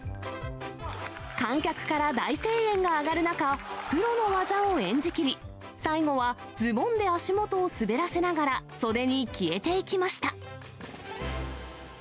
観客から大声援が上がる中、プロの技を演じきり、最後はズボンで足元を滑らせながら、袖に消えていきました。